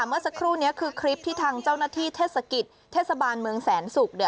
เมื่อสักครู่นี้คือคลิปที่ทางเจ้าหน้าที่เทศกิจเทศบาลเมืองแสนศุกร์